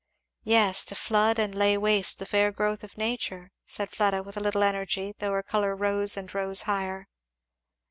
"Yes, to flood and lay waste the fair growth of nature," said Fleda with a little energy, though her colour rose and rose higher.